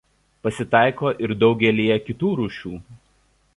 Pasitaiko ir daugelyje kitų rūšių.